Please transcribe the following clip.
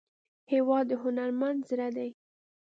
هېواد د هنرمند زړه دی.